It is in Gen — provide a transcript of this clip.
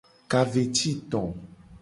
Ka ve ci to.